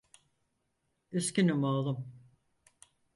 Üzgünüm oğlum.